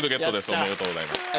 ありがとうございます。